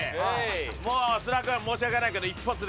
もう菅田君申し訳ないけど１発で決めます。